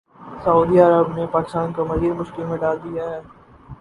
سعودی عرب نے پاکستان کو مزید مشکل میں ڈال دیا ہے